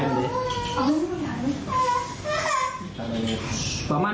ตีหรือเปล่า